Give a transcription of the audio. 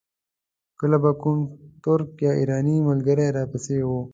کله به کوم ترک یا ایراني ملګری را پسې و.